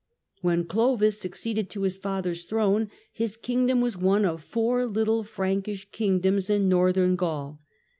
When Clovis succeeded to his father's throne his kingdom was one of four little Frankish kingdoms in Northern Gaul.